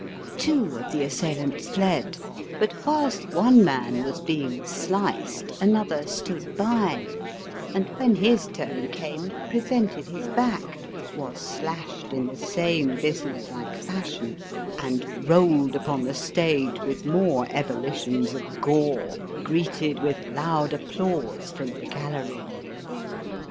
Two of the assailants fled, but whilst one man was being sliced another stood by, and when his turn came, presented his back, was clashed in the same business like fashion, and Digitized by VjOOQIC 298 EAST BY WEST. rolled upon the stage with more ehullitions of gore greeted with loud applause from the gaUery.